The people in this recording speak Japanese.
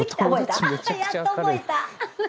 やっと覚えた。